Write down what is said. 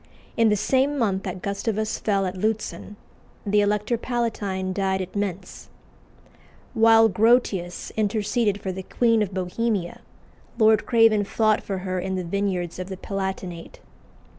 In the same month that Gustavus fell at Lutzen, the Elector Palatine died at Mentz. While Grotius interceded for the Queen of Bohemia, Lord Craven fought for her in the vineyards of the Palatinate.